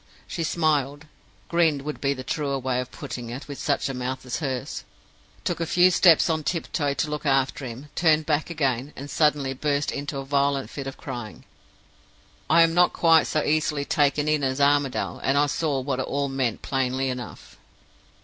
She smiled (grinned would be the truer way of putting it, with such a mouth as hers); took a few steps on tiptoe to look after him; turned back again, and suddenly burst into a violent fit of crying. I am not quite so easily taken in as Armadale, and I saw what it all meant plainly enough.